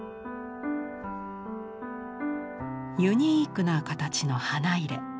ユニークな形の花入。